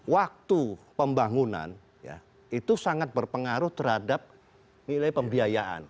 waktu pembangunan itu sangat berpengaruh terhadap nilai pembiayaan